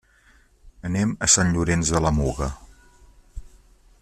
Anem a Sant Llorenç de la Muga.